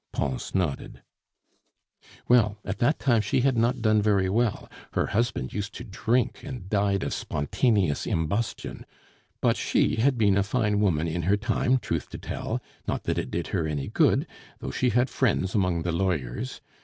Pons nodded. "Well, at that time she had not done very well; her husband used to drink, and died of spontaneous imbustion; but she had been a fine woman in her time, truth to tell, not that it did her any good, though she had friends among the lawyers.